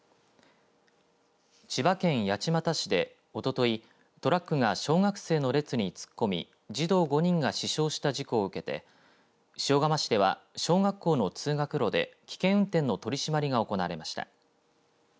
千葉県八街市でおとといトラックが小学生の列に突っ込み、児童５人が死傷した事故を受けて塩釜市では、小学校の通学路で危険運転の取り締まりが行われました。